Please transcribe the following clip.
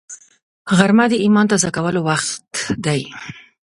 غرمه د ایمان تازه کولو وخت دی